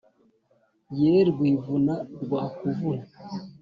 ye rwivuna rwa kavuna